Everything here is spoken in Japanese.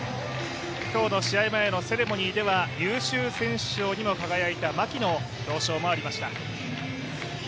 今日の試合前のセレモニーでは優秀選手賞にも輝いた牧の表彰もありました。